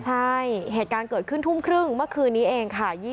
ใช่เหตุการณ์เกิดขึ้นทุ่มครึ่งเมื่อคืนนี้เองค่ะ